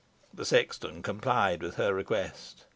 The sexton complied with her request.